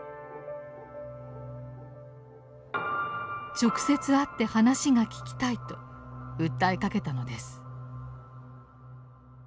直接会って話が聞きたいと訴えかけたのです。